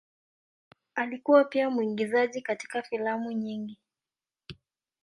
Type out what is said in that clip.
Alikuwa pia mwigizaji katika filamu nyingi.